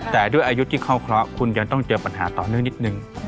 แต่ด้วยอายุที่เข้าเคราะห์คุณยังต้องเจอปัญหาต่อเนื่องนิดนึง